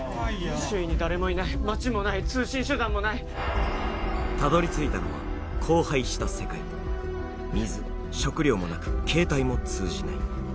周囲に誰もいない町もない通信手段もないたどり着いたのは荒廃した世界水食料もなく携帯も通じない